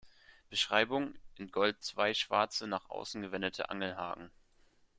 Beschreibung: In Gold zwei schwarze nach außen gewendete Angelhaken.